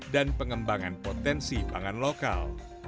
dan pengembangan potensi pangan lokal